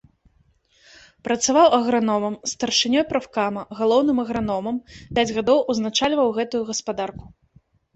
Працаваў аграномам, старшынёй прафкама, галоўным аграномам, пяць гадоў узначальваў гэтую гаспадарку.